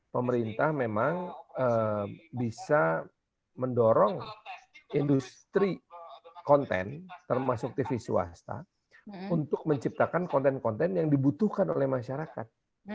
pemerintah memang bisa mendorong industri konten termasuk tv swasta untuk menciptakan konten konten yang dibutuhkan oleh masyarakat